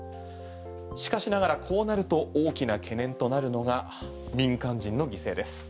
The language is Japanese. しかしながら、こうなると大きな懸念となるのが民間人の犠牲です。